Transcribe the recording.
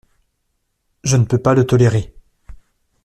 Je ne peux pas le tolérer!